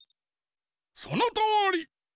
そのとおり！